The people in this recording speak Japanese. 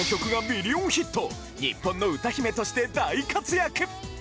日本の歌姫として大活躍！